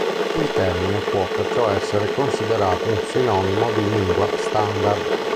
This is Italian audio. Il termine può perciò essere considerato un sinonimo di lingua standard.